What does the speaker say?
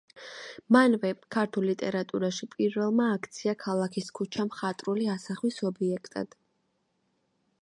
მანვე, ქართულ ლიტერატურაში პირველმა აქცია ქალაქის ქუჩა მხატვრული ასახვის ობიექტად.